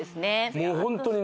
もうホントにね